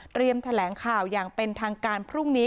แถลงข่าวอย่างเป็นทางการพรุ่งนี้